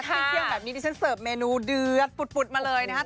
เที่ยงแบบนี้ดิฉันเสิร์ฟเมนูเดือดปุดมาเลยนะครับ